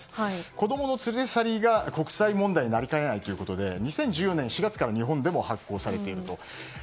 子供の連れ去りが国際問題になりかねないということで２０１４年４月から日本でも発効されていると。